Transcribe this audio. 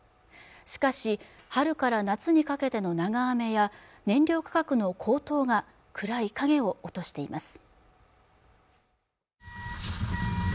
しかし春から夏にかけての長雨や燃料価格の高騰が暗い影を落としています